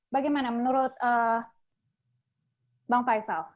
bagaimana menurut bang faisal